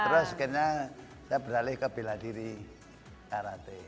terus akhirnya saya beralih ke biladiri karate